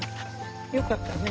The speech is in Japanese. よかったね。